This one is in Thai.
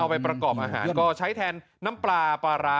ไปประกอบอาหารก็ใช้แทนน้ำปลาปลาร้า